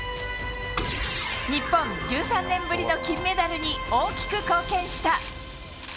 日本１３年ぶりの金メダルに大きく貢献した。